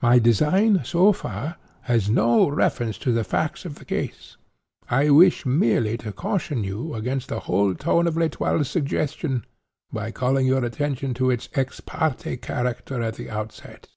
My design, so far, has no reference to the facts of the case. I wish merely to caution you against the whole tone of L'Etoile's suggestion, by calling your attention to its ex parte character at the outset.